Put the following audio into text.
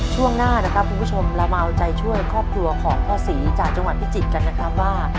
ช่วงหน้านะครับคุณผู้ชมเรามาเอาใจช่วยครอบครัวของพ่อศรีจากจังหวัดพิจิตรกันนะครับว่า